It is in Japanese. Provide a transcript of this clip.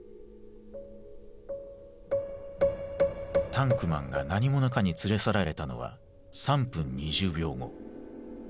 タンクマンが何者かに連れ去られたのは３分２０秒後。